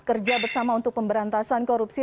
kerja bersama untuk pemberantasan korupsi